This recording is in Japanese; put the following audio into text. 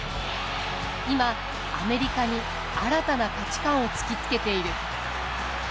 今アメリカに新たな価値観を突きつけている。